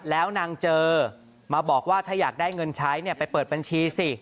แล้วนางเจอมาบอกว่าถ้าอยากได้เงินใช้ไปเปิดบัญชีสิ